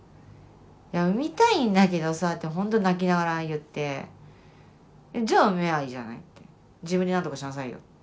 「いや産みたいんだけどさ」ってほんと泣きながら言って「じゃあ産めばいいじゃない」って「自分で何とかしなさいよ」。